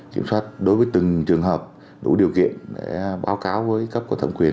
kiểm soát đối với từng trường hợp đủ điều kiện để báo cáo với cấp của thẩm quyền